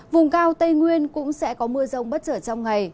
vùng cao tây nguyên cũng sẽ có mưa rông bất chợt trong ngày